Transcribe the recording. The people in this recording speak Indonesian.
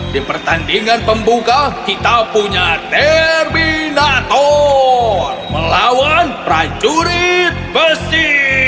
di pertandingan pembuka kita punya terbinator melawan prajurit besi